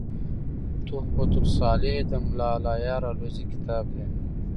"تحفه صالح" دملا الله یار الوزي کتاب دﺉ.